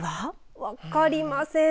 分かりません。